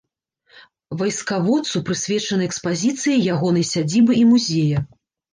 Вайскаводцу прысвечаны экспазіцыі ягонай сядзібы і музея.